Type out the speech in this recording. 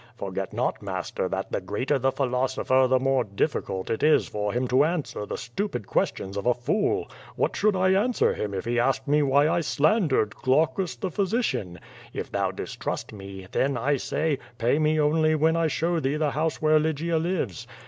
Forget not, master, that the greater the philosopher the more difficult it is for him to answer the stupid ques tions of a fool. What should I answer him if he asked me 1^8 QUO VADI8. why I slandered Glaucus, the physician? If thou distrust me, then, I say, pay me only when I show thee the house where Lygia lives.